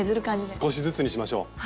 少しずつにしましょう。